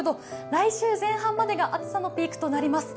来週前半までが暑さのピークとなります。